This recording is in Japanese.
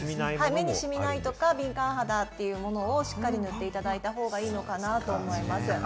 目にしみないとか、敏感肌のものをしっかり塗っていただいた方がいいのかなと思います。